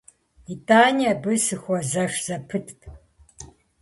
ИтӀани абы сыхуэзэш зэпытт.